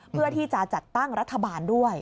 เพื่อที่จะจัดตั้งรัฐบาลด้วย